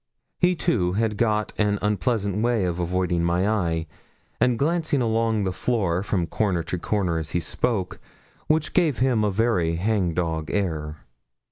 He, too, had got an unpleasant way of avoiding my eye, and glancing along the floor from corner to corner as he spoke, which gave him a very hang dog air.